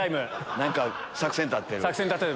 何か作戦立ててる。